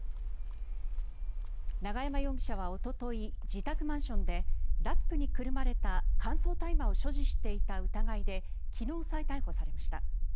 永山容疑者はおととい自宅マンションでラップにくるまれた乾燥大麻を所持していた疑いで昨日、再逮捕されました。